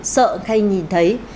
sợ hay nhìn thấy